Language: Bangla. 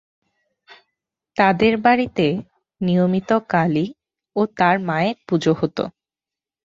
তাদের বাড়িতে নিয়মিত কালী ও তারা মায়ের পুজো হতো।